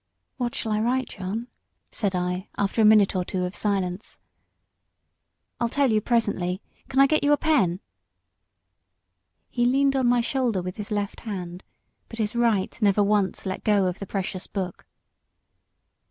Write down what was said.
"What shall I write, John?" said I, after a minute or so of silence. "I'll tell you presently. Can I get you a pen?" He leaned on my shoulder with his left hand, but his right never once let go of the precious book.